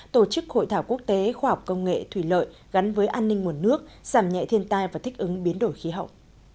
tổ chức hội thảo quốc tế khoa học công nghệ thủy lợi gắn với an ninh nguồn nước giảm nhẹ thiên tai và thích ứng biến đổi khí hậu